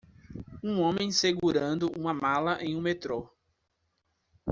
Um homem segurando uma mala em um metrô.